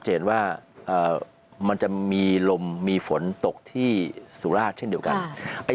จะเห็นว่ามันจะมีลมมีฝนตกที่สุราชเช่นเดียวกัน